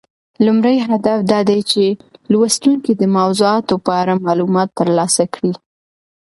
لومړی هدف دا دی چې لوستونکي د موضوعاتو په اړه معلومات ترلاسه کړي.